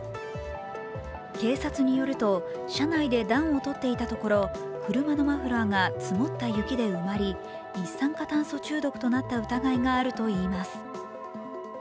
警察によると、車内で暖を取っていたところ、車のマフラーが積もった雪で埋まり、一酸化炭素中毒となった疑いがあるといいます。